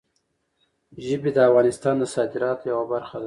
ژبې د افغانستان د صادراتو یوه برخه ده.